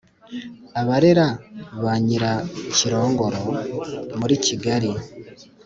abarera ba nyirakirongoro. muri kigali